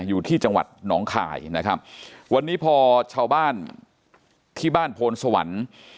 อยู่ที่จังหวัดหนองคายนะครับวันนี้พอชาวบ้านที่บ้านโพนสวรรค์